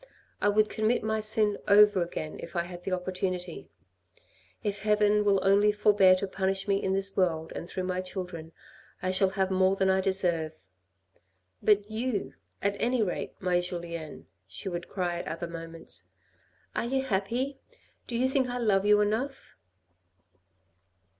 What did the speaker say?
I would commit my sin over again if I had the opportunity. If heaven will only forbear to punish me in this world and through my children, I shall have more than I deserve. But you, at any rate, my Julien," she would cry at other moments, "are you happy? Do you think I love you enough